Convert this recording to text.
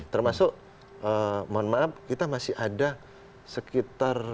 termasuk mohon maaf kita masih ada sekitar